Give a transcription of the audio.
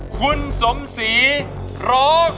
คุณสมศรีร้อง